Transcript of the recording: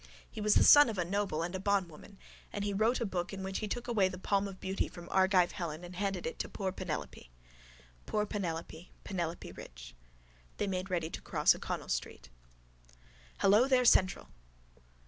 He was the son of a noble and a bondwoman. And he wrote a book in which he took away the palm of beauty from Argive Helen and handed it to poor Penelope. Poor Penelope. Penelope Rich. They made ready to cross O'Connell street. HELLO THERE, CENTRAL!